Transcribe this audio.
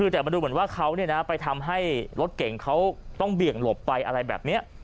แต่มันดูเหมือนว่าเขาไปทำให้รถเก่งเขาต้องเบี่ยงหลบไปอะไรแบบนี้